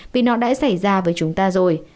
vì nó đã xảy ra với chúng ta rồi